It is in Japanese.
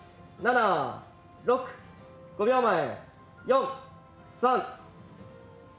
８７６５秒前４３。